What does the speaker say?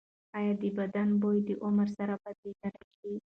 ایا د بدن بوی د عمر سره بدلیدلی شي؟